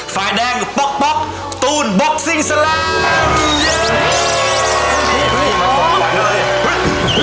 ฝ่ายแดงป๊อกป๊อกตูนบอกซิงสลัม